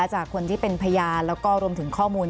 จากคนที่เป็นพยานแล้วก็รวมถึงข้อมูล